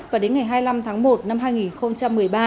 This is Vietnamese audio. và đến ngày hai mươi năm tháng một năm hai nghìn một mươi ba